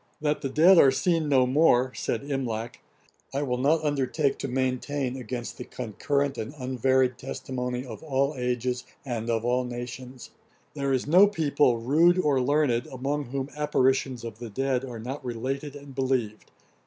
'That the dead are seen no more, (said Imlac,) I will not undertake to maintain, against the concurrent and unvaried testimony of all ages, and of all nations. There is no people, rude or learned, among whom apparitions of the dead are not related and believed.